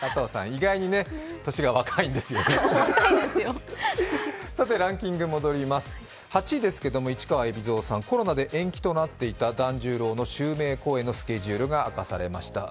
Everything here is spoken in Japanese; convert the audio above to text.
意外に歳が若いんですよねランキング戻ります、８位ですけど、市川海老蔵さん、コロナで延期となっていた團十郎の襲名公演のスケジュールが明かされました。